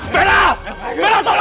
berah tolong aku